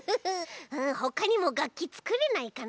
ほかにもがっきつくれないかな？